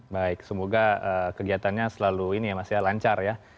baik semoga kegiatannya selalu ini ya mas ya lancar ya